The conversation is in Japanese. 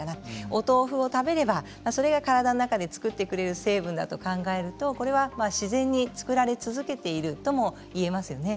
お豆腐を食べれば、それが体の中で作ってくれる成分だと考えると、これは自然に作られ続けているとも言えますよね。